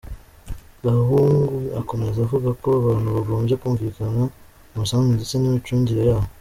Gahungu akomeza avuga ko abantu bagombye kumvikana kumusanzu ndetse n’imicungire yawo.